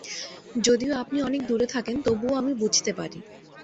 যদিও আপনি অনেক দূরে থাকেন, তবু আমি বুঝতে পারি।